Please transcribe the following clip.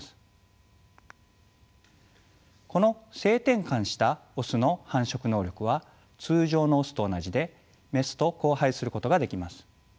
この性転換したオスの繁殖能力は通常のオスと同じでメスと交配することができます。